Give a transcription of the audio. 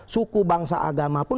suku bangsa agama pun